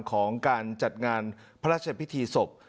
ของการจัดงานพระราชพิธีศพ